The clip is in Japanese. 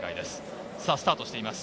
スタートしています。